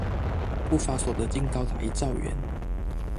不法所得竟高達一兆元